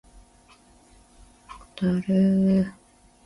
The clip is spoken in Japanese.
山梨県韮崎市